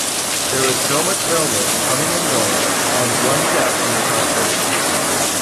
There was much illness, coming and going, and one death in the Conclave.